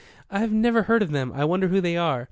I've never heard of them. I wonder who they are."